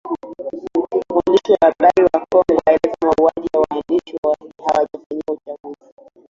Mwandishi wa habari wa Kongo aeleza mauaji ya waandishi hayajafanyiwa uchunguzi